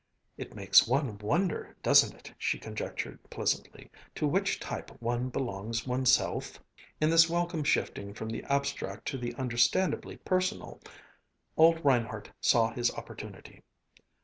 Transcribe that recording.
"It makes one wonder, doesn't it," she conjectured pleasantly, "to which type one belongs oneself?" In this welcome shifting from the abstract to the understandably personal, old Reinhardt saw his opportunity.